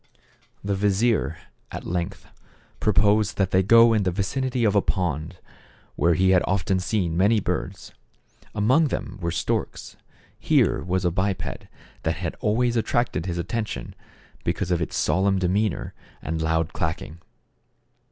The vizier at length proposed that they go in the vicinity of a pond, where he had often seen many birds. Among them were storks ; here was a biped thait had always attracted his atten tion, because of its solemn demeanor and loud clacking.